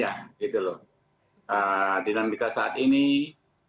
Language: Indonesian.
apa yang kita bisa lakukan untuk menangkapnya